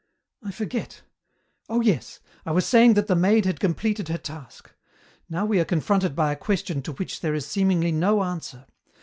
"I forget. Oh, yes. I was saying that the Maid had completed her task. Now we are confronted by a question to which there is seemingly no answer.